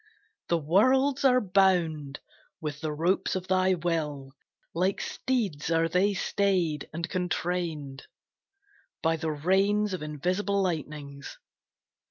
The worlds are bound with the ropes of thy will; Like steeds are they stayed and contrained By the reins of invisible lightnings.